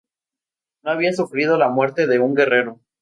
No había sufrido la muerte de un guerrero.